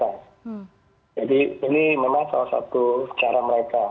jadi ini memang salah satu cara mereka